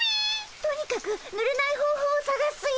とにかくぬれない方法をさがすよ。